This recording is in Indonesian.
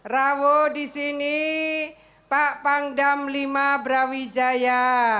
rawo disini pak pangdam v brawijaya